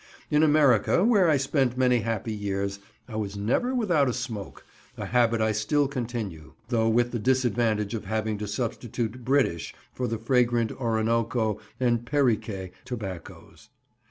In America, where I spent many happy years, I was never without "a smoke," a habit I still continue, though with the disadvantage of having to substitute British for the fragrant Oronoko and Perique tobaccos.